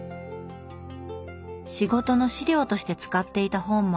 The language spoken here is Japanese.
仕事の資料として使っていた本もあります。